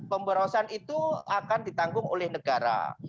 pemborosan itu akan ditanggung oleh negara